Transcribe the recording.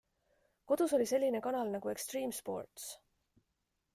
Kodus oli selline kanal nagu Extreme Sports.